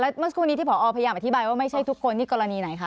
เมื่อสักครู่นี้ที่พอพยายามอธิบายว่าไม่ใช่ทุกคนนี่กรณีไหนคะ